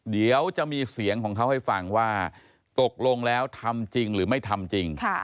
เดี๋ยวจะมีเสียงของเขาให้ฟังว่าตกลงแล้วทำจริงหรือไม่ทำจริง